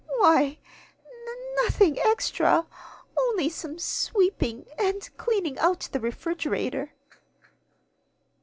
"Why, n nothing extra, only some sweeping, and cleaning out the refrigerator."